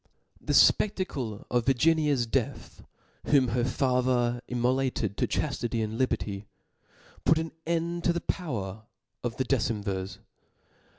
The fpedacle of Virginia's death, whom her father immolated to qhaftity and liberty, put aa end to the power of the decemvirs.